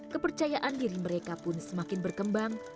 kepercayaan diri mereka pun semakin berkembang